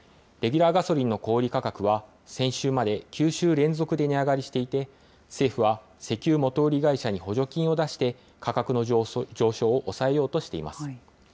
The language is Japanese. レギュラーガソリンの小売り価格は、先週まで９週連続で値上がりしていて、政府は石油元売り会社に補助金を出して、価格の上昇を抑えようとしています。